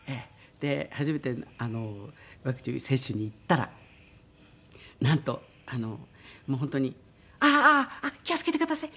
初めてワクチン接種に行ったらなんともう本当に「ああ！気を付けてください。